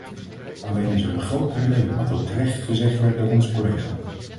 Alleen is er een groot probleem, wat ook terecht gezegd werd door onze collega.